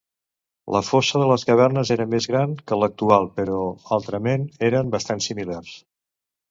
La fossa de les cavernes era més gran que l'actual, però altrament eren bastant similars.